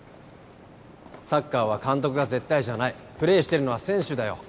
サッカーは監督が絶対じゃないプレーしてるのは選手だよ